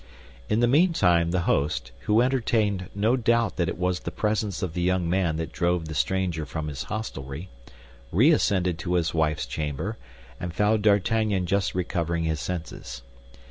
In the meantime, the host, who entertained no doubt that it was the presence of the young man that drove the stranger from his hostelry, re ascended to his wife's chamber, and found D'Artagnan just recovering his senses.